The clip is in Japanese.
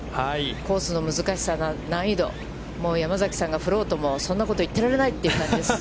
コースの難しさ、難易度、もう山崎さんが振ろうともそんなことも言ってられないという感じです。